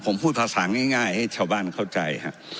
ผมพูดภาษาง่ายให้ชาวบ้านเข้าใจ